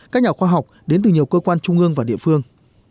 các nhà khoa học đến từ nhiều cơ quan trung ương và địa phương